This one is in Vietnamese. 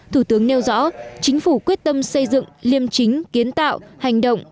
thủ tướng nêu rõ chính phủ quyết tâm xây dựng liêm chính kiến tạo hành động